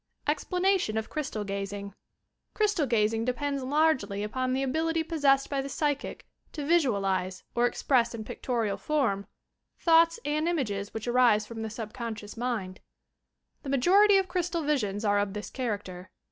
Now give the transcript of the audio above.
EXPLANATION OP CRYBTAI^GAZING Cryetal Gazing depends largely upon the ability pos sessed by the psychic to "visualize" or express in pic torial form, thoughts and images which arise from the subconscious mind. The majority of crystal visions are of this character.